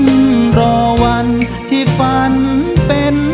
ได้ทนบนทางไฟฟันจะรอวันนั้นรอวันที่ฟันเป็นจริง